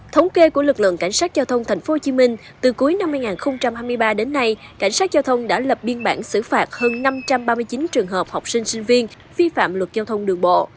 thống kê của lực lượng cảnh sát giao thông tp hcm từ cuối năm hai nghìn hai mươi ba đến nay cảnh sát giao thông đã lập biên bản xử phạt hơn năm trăm ba mươi chín trường hợp học sinh sinh viên vi phạm luật giao thông đường bộ